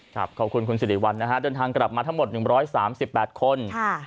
ขอบคุณคุณสิริวัลนะฮะเดินทางกลับมาทั้งหมด๑๓๘คน